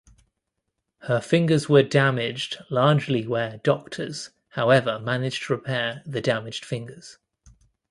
Her fingers were damaged largely where doctors however managed to repair the damaged fingers.